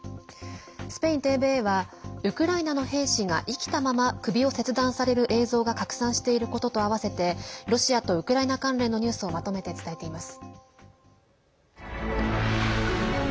スペインＴＶＥはウクライナの兵士が生きたまま首を切断される映像が拡散していることと合わせてロシアとウクライナ関連のニュースをまとめて伝えています。